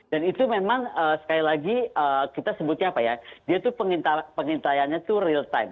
itu memang sekali lagi kita sebutnya apa ya dia tuh pengintaiannya itu real time